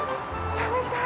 食べたい！